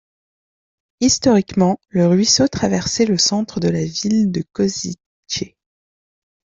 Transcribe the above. Historiquement, le ruisseau traversait le centre de la ville de Košice.